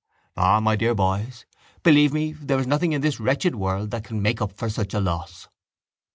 Ah, my dear boys, believe me there is nothing in this wretched world that can make up for such a loss.